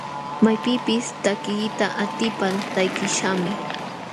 Maypipis takiyta atipal takiśhaqmi.